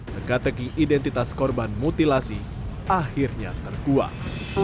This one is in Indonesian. tegak tegi identitas korban mutilasi akhirnya terkuat